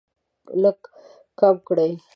لږ کم کړئ